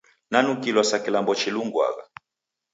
Nanukilwa sa kilambo chilinguagha.